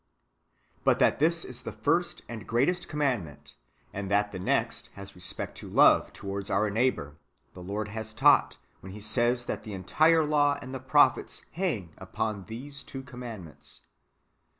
But that this is the first and greatest commandment, and that the next [has respect to love] towards our neigh bour, the Lord has taught, when He says that the entire law and the prophets hang upon these two commandments.